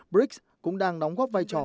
brics cũng đang đóng góp vai trò